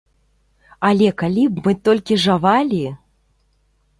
Але калі б мы толькі жавалі!